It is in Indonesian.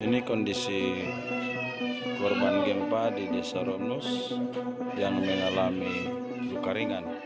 ini kondisi korban gempa di desa romlos yang mengalami luka ringan